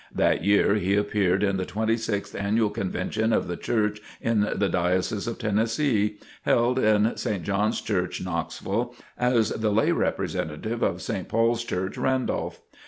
That year he appeared in the Twenty sixth Annual Convention of the Church in the Diocese of Tennessee, held in St. John's Church, Knoxville, as the lay representative of St. Paul's Church, Randolph.